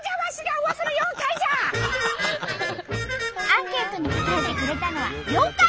アンケートに答えてくれたのは妖怪！